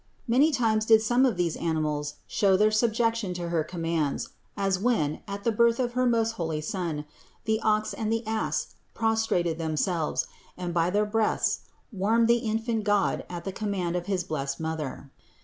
Many times did some of these animals show their subjection to her commands, as when, at the birth of her most Holy Son, the ox and the ass prostrated themselves and by their breaths warmed the infant God at the command of his blessed Mother.